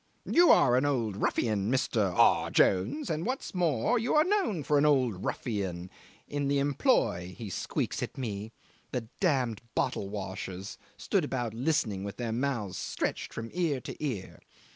'You are an old ruffian, Mister aw Jones; and what's more, you are known for an old ruffian in the employ,' he squeaks at me. The damned bottle washers stood about listening with their mouths stretched from ear to ear.